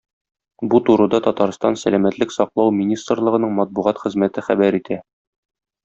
Бу турыда Татарстан Сәламәтлек саклау министрлыгының матбугат хезмәте хәбәр итә.